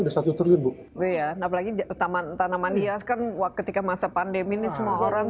satu bu ya enggak lagi jatuh taman tanaman hias kan waktu ketika masa pandemi ini semua orang